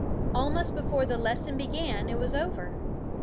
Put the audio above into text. Almost before the lesson began it was over.